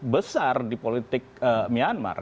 besar di politik myanmar